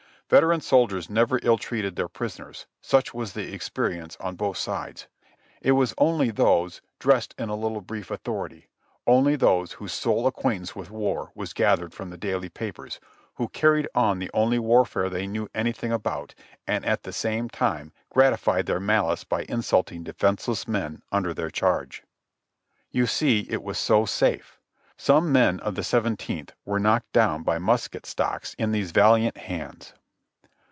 Veteran soldiers never illtreated their prisoners, such was the experience on both sides. It was only those "dressed in a little brief authority," only those whose sole acquaintance with war was gathered from the daily papers, who carried on the only warfare they knew anything about and at the same time gratified their malice by insulting de fenseless men under their charge. You see it was so safe ! Some men of the Seventeenth were knocked down by musket stocks in these valiant hands.